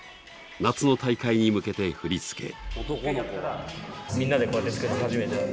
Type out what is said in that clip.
夏の大会に向けて振り付け。